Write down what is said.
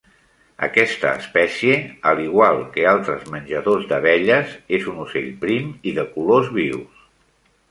Aquesta espècie, a l'igual que altres menjadors d'abelles, és un ocell prim i de colors vius.